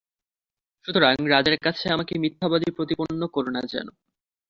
সুতরাং রাজার কাছে আমাকে মিথ্যাবাদী প্রতিপন্ন করো না যেন।